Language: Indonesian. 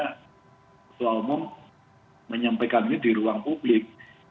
ketua umum menyampaikan ini di ruang publik